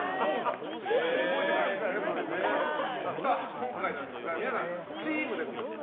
今回なんですが皆さんチームでございます。